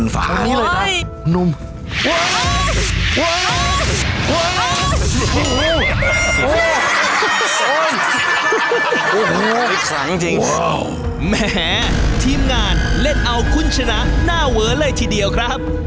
โอ้โหแหมทีมงานเล่นเอาคุณชนะหน้าเว้อเลยทีเดียวครับ